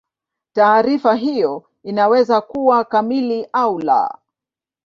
Taarifa hiyo inaweza kuwa kamili au la.